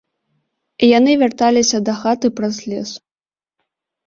Яны вярталіся дахаты праз лес.